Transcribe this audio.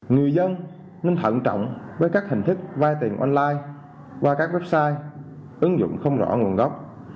người dân nên thận trọng với các hình thức vay tiền online qua các website ứng dụng không rõ nguồn gốc